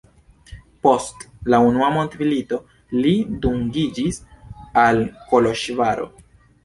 Post la unua mondmilito li dungiĝis al Koloĵvaro.